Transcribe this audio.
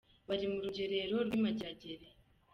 bari mu Rugerero rw’i Mageregere.